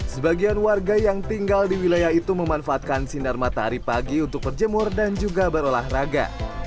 sebagian warga yang tinggal di wilayah itu memanfaatkan sinar matahari pagi untuk berjemur dan juga berolahraga